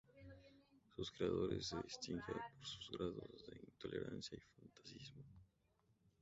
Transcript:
sus credos se distinguían por sus grados de intolerancia y fanatismo